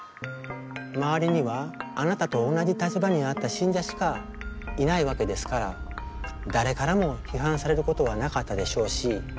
周りにはあなたと同じ立場にあった信者しかいないわけですから誰からも批判されることはなかったでしょうし